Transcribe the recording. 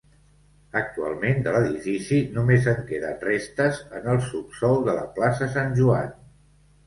Actualment de l'edifici només en queden restes en el subsòl de la plaça Sant Joan.